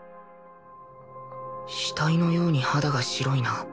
死体のように肌が白いな